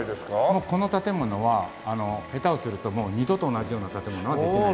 もうこの建物は下手をするともう二度と同じような建物はできない。